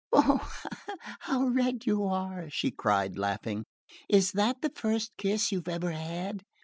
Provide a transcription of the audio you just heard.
"Oh, how red you are!" she cried laughing. "Is that the first kiss you've ever had?